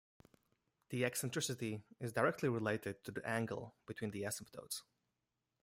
The eccentricity is directly related to the angle between the asymptotes.